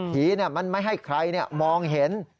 ผีมันไม่ให้ใครมองเห็น